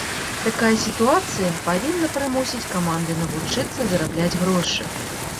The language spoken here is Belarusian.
Такая сітуацыя павінна прымусіць каманды навучыцца зарабляць грошы.